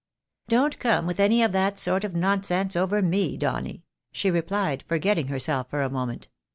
" Don't come with any of that sort of nonsense over me, Donny," she replied, forgetting herself for a moment.